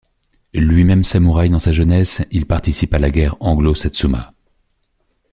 Lui-même samouraï dans sa jeunesse, il participe à la guerre anglo-Satsuma.